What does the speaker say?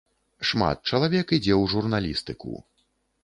Шмат чалавек ідзе ў журналістыку.